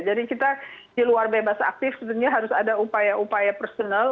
jadi kita di luar bebas aktif sebetulnya harus ada upaya upaya personal